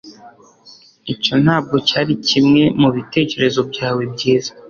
Icyo ntabwo cyari kimwe mubitekerezo byawe byiza.